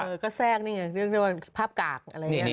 ก็แทรกนี่ไงเรียกได้ว่าสภาพกากอะไรอย่างนี้